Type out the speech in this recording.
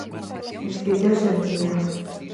Inscricións en liña.